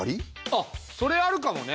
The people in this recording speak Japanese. あっそれあるかもね。